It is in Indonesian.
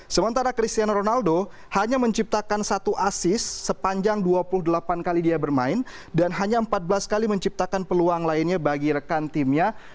sementara cristiano ronaldo hanya menciptakan satu asis sepanjang dua puluh delapan kali dia bermain dan hanya empat belas kali menciptakan peluang lainnya bagi rekan timnya